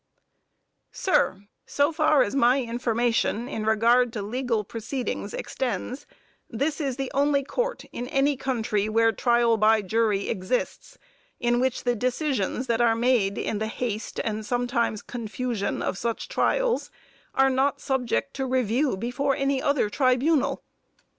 Sir, so far as my information in regard to legal proceedings extends, this is the only court in any country where trial by jury exists, in which the decisions that are made in the haste and sometimes confusion of such trials, are not subject to review before any other tribunal.